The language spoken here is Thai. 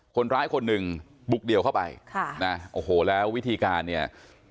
คนร้ายคนหนึ่งบุกเดี่ยวเข้าไปค่ะนะโอ้โหแล้ววิธีการเนี่ย